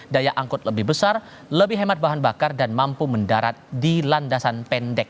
daya angkut lebih besar lebih hemat bahan bakar dan mampu mendarat di landasan pendek